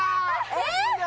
えっ！？